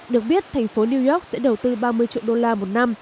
được biết thành phố new york sẽ đầu tư ba mươi triệu đô la một năm